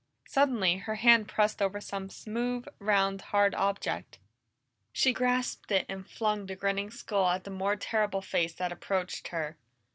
Suddenly her hand pressed over some smooth, round, hard object; she grasped it and flung the grinning skull at the more terrible face that approached her.